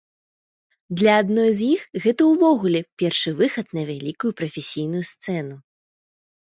Для адной з іх гэта ўвогуле першы выхад на вялікую прафесійную сцэну.